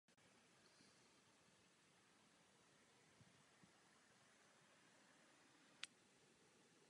Korejská kuchyně se vyvíjela interakcí přírodního prostředí a různých kulturních trendů.